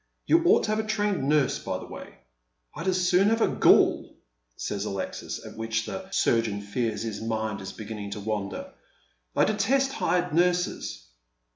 You ought to have a trained nurse, by the way." " I'd as soon have a ghoul," says Alexis, at which the sur geon fears his mind is beginning to wander. " I detest hired curses."